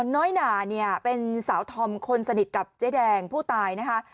น้อยหนาเนี่ยเป็นสาวธอมคนสนิทกับเจ๊แดงผู้ตายนะคะ